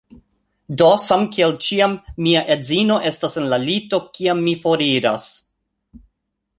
Do, samkiel ĉiam mia edzino estas en la lito, kiam mi foriras